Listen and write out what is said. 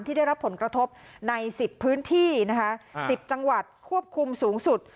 ได้รับผลกระทบใน๑๐พื้นที่นะคะ๑๐จังหวัดควบคุมสูงสุด